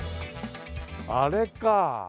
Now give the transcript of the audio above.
あれか。